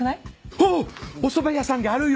おそば屋さんがあるよ！